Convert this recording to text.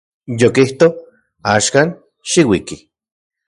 Yokijto; axkan, xiuiki.